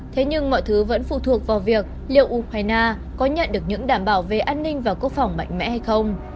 thế nhưng mọi thứ vẫn phụ thuộc vào việc liệu ukraine có nhận được những đảm bảo về an ninh và quốc phòng mạnh mẽ hay không